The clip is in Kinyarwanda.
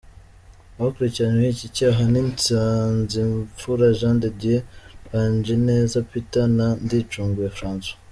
Abakurikiranyweho iki cyaha ni Nsanzimfura Jean de Dieu, Mbanjineza Peter, na Ndicunguye François.